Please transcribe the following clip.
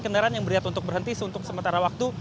kendaraan yang beriat untuk berhenti sementara waktu